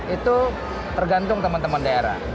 itu tergantung teman teman daerah